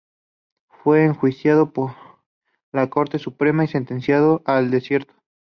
Fue enjuiciado por la Corte Suprema y sentenciado al destierro.